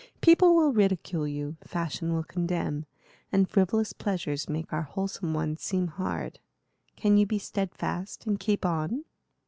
People will ridicule you, fashion will condemn, and frivolous pleasures make our wholesome ones seem hard. Can you be steadfast, and keep on?"